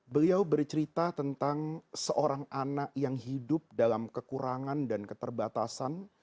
beliau bercerita tentang seorang anak yang hidup dalam kekurangan dan keterbatasan